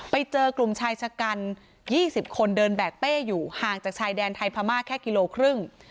ไปเจอกลุ่มชายชะกัน๒๐คนเดินแบกเต้อยู่ห่างจากชายแดนไทยพม่าแค่กิโลครึ่ง